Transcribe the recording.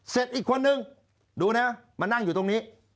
อีกคนนึงดูนะมานั่งอยู่ตรงนี้